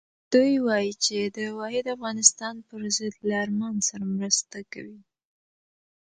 دوی وایي چې د واحد افغانستان پر ضد له ارمان سره مرسته کوي.